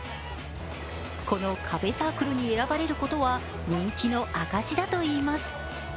この壁サークルには選ばれることは人気の証しだといいます。